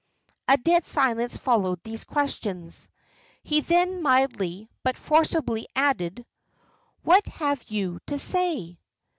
A dead silence followed these questions. He then mildly, but forcibly, added "What have you to say?"